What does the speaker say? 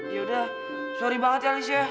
yaudah sorry banget ya alicia